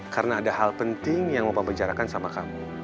karena ada hal penting yang mau papa penjarakan sama kamu